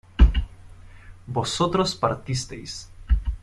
vosotros partisteis